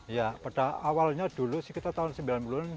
ya pada awalnya dulu sekitar tahun sembilan puluh an